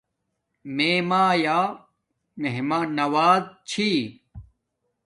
میے مایآ مہمان نواز چھی